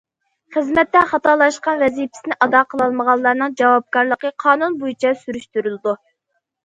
خىزمەتتە خاتالاشقان، ۋەزىپىسىنى ئادا قىلالمىغانلارنىڭ جاۋابكارلىقى قانۇن بويىچە سۈرۈشتۈرۈلىدۇ.